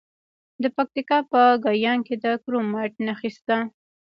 د پکتیکا په ګیان کې د کرومایټ نښې شته.